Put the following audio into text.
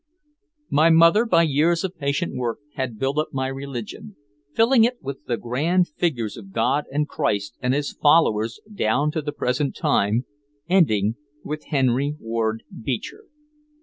My mother by years of patient work had built up my religion, filling it with the grand figures of God and Christ and his followers down to the present time, ending with Henry Ward Beecher.